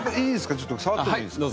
ちょっと触ってもいいですか？